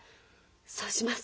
そうします。